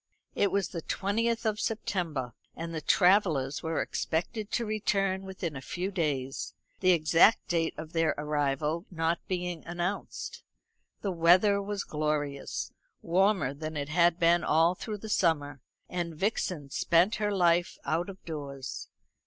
It was the twentieth of September, and the travellers were expected to return within a few days the exact date of their arrival not being announced. The weather was glorious, warmer than it had been all through the summer; and Vixen spent her life out of doors.